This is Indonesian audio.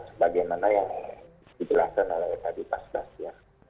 sebagai mana yang dijelaskan oleh tadi pak sebastian